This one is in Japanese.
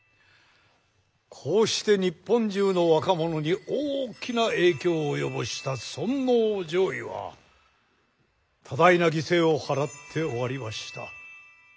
こうして日本中の若者に大きな影響を及ぼした尊王攘夷は多大な犠牲を払って終わりました。